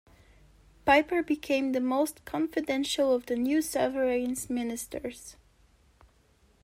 Piper became the most confidential of the new sovereign's ministers.